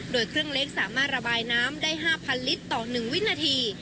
โดยเครื่องเล็กสามารถระบายน้ำได้๕๐๐ลิตรต่อ๑วินาที